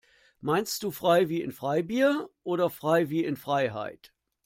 Meinst du frei wie in Freibier oder frei wie in Freiheit?